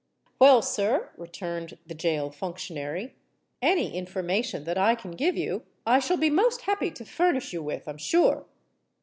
"Well, sir," returned the gaol functionary, "any information that I can give you, I shall be most happy to furnish you with, I'm sure."